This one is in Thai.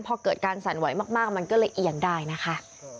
พอเกิดการสั่นไหวมากมันก็เลยเอียงได้นะคะ